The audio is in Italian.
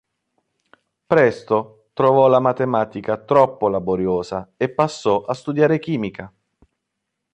Presto trovò la matematica troppo laboriosa e passò a studiare chimica.